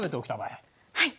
はい。